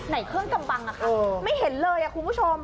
ไหนเครื่องจำปังล่ะคะโอ้ไม่เห็นเลยอ่ะครูผู้ชม